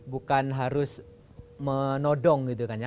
bukan harus menodong gitu kan ya